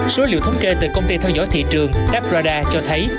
số liệu thống kê từ công ty theo dõi thị trường daprad cho thấy